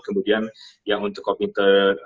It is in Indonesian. kemudian yang untuk komite